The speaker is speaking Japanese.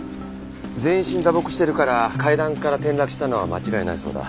全身打撲してるから階段から転落したのは間違いないそうだ。